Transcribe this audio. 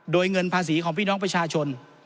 โดยเงินภาษีของพี่น้องประชาชน